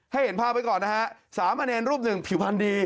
ให้เห็นภาพไว้ก่อนนะฮะ